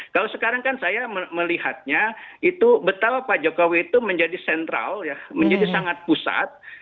kalau sekarang kan saya melihatnya itu betapa pak jokowi itu menjadi sentral menjadi sangat pusat